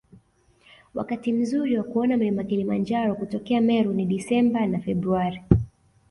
Wakati mzuri wa kuona mlima Kilimanjaro kutokea Meru ni Desemba na Februari